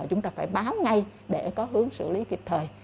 chúng ta phải báo ngay để có hướng xử lý kịp thời